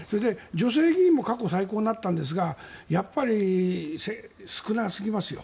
女性議員も過去最高になったんですがやっぱり少なすぎますよ。